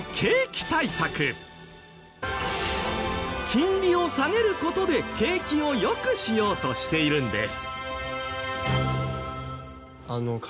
金利を下げる事で景気を良くしようとしているんです。